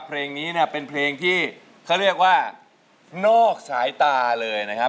เพลงนี้เนี่ยเป็นเพลงที่เขาเรียกว่านอกสายตาเลยนะครับ